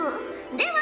では